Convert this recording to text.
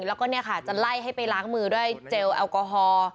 แล้วก็จะไล่ให้ไปล้างมือด้วยเจลแอลกอฮอล์